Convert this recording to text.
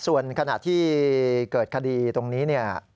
ส่วนขณะที่เกิดคดีตรงนี้